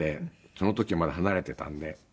その時まだ離れてたので。